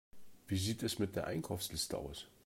Wie sieht es mit der Einkaufsliste aus?